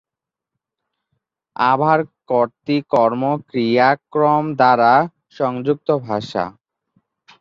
আভার কর্তৃ-কর্ম-ক্রিয়া ক্রম দ্বারা সংযুক্ত ভাষা।